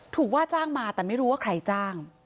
ว่าจ้างมาแต่ไม่รู้ว่าใครจ้าง